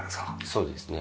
そうですね。